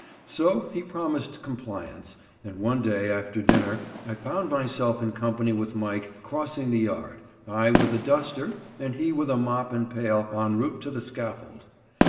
So he promised compliance, and one day after dinner I found myself in company with Mike, crossing the yard—I with a duster and he with a mop and pail en route to the scaffold.